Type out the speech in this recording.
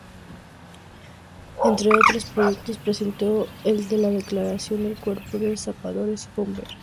Entre otros proyectos presentó el de la creación del cuerpo de zapadores-bomberos.